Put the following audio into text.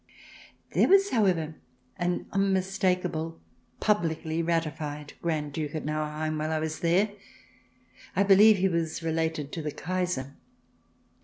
There was, however, an unmistakable, publicly ratified Grand Duke at Nauheim while I was there ; I believe he was related to the Kaiser.